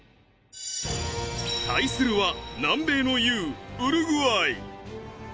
対するは、南米の雄・ウルグアイ。